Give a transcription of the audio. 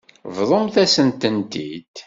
Bḍumt-asent-tent-id.